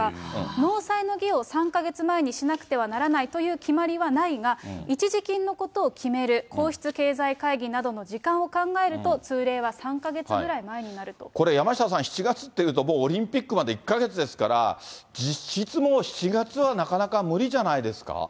納采の儀を３か月前にしなくてはならないという決まりはないが、一時金のことを決める、皇室経済会議などの時間を考えると、これ、山下さん、７月っていうともうオリンピックまで１か月ですから、実質もう７月はなかなか無理じゃないですか？